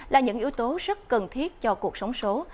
là những yếu tố rất cần thiết cho cuộc sống số